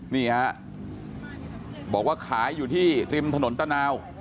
นี่ฮะบอกว่าขายอยู่ที่ริมถนนตะนาว